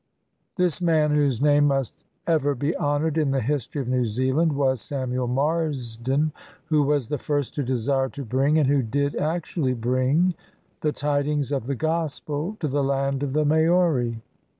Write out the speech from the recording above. This man, whose name must ever be honored in the history of New Zealand, was Samuel Marsden, who was the first to desire to bring, and who did actually bring, the tidings of the Gospel to the land of the Maori.